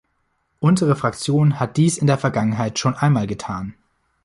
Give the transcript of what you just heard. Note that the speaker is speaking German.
Unsere Fraktion hat dies in der Vergangenheit schon einmal getan.